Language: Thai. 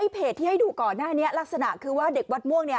เพจที่ให้ดูก่อนหน้านี้ลักษณะคือว่าเด็กวัดม่วงเนี่ย